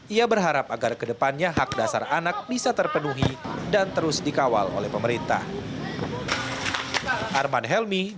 ia berharap agar kedepannya hak dasar anak bisa terpenuhi dan terus dikawal oleh pemerintah